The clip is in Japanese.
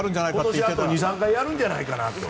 今年あと２３回やるんじゃないかと。